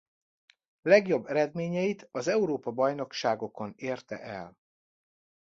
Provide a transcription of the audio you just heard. Legjobb eredményeit az Európa-bajnokságokon érte el.